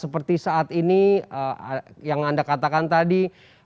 seperti saat ini yang anda katakan tadi